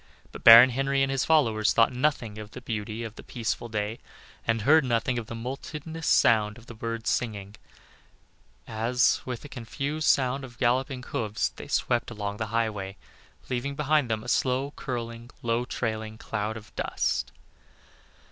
But Baron Henry and his followers thought nothing of the beauty of the peaceful day, and heard nothing of the multitudinous sound of the singing birds as, with a confused sound of galloping hoofs, they swept along the highway, leaving behind them a slow curling, low trailing cloud of dust.